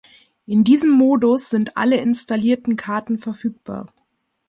In diesem Modus sind alle installierten Karten verfügbar.